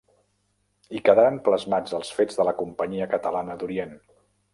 Hi quedaren plasmats els fets de la Companyia Catalana d'Orient.